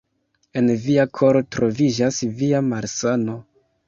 En via koro troviĝas via malsano.